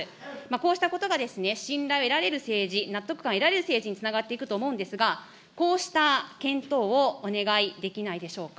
こうしたことが信頼を得られる政治、納得感を得られる政治につながっていくと思うんですが、こうした検討をお願いできないでしょうか。